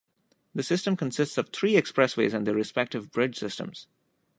The system consists of three expressways and their respective bridge systems.